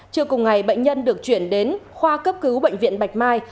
trưa cùng ngày bệnh nhân được chuyển đến khoa cấp cứu bệnh viện bạch mai